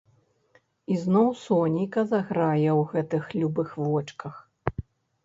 І зноў сонейка зайграе ў гэтых любых вочках.